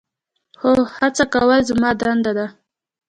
خو هڅه کول زموږ دنده ده.